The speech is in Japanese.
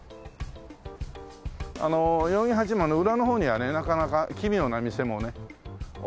あの代々木八幡の裏の方にはねなかなか奇妙な店もね多いんですよ。